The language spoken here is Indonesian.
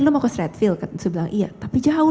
lu mau ke shredfield terus dia bilang iya tapi jauh